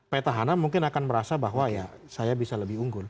petahana mungkin akan merasa bahwa ya saya bisa lebih unggul